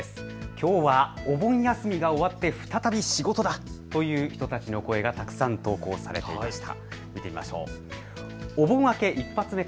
きょうはお盆休みが終わって再び仕事だという人たちの声がたくさん投稿されていました。